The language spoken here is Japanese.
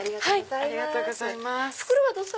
ありがとうございます。